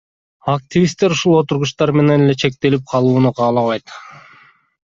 Активисттер ушул отургучтар менен эле чектелип калууну каалабайт.